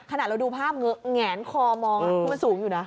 ขนาดเราดูภาพแงนคอมองคือมันสูงอยู่นะ